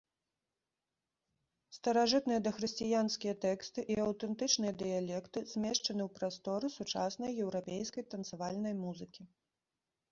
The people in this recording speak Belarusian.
Старажытныя дахрысціянскія тэксты і аўтэнтычныя дыялекты змешчаны ў прастору сучаснай еўрапейскай танцавальнай музыкі.